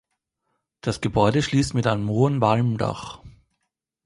Das Gebäude schließt mit einem hohen Walmdach.